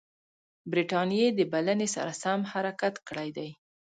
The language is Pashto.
برټانیې د بلنې سره سم حرکت کړی دی.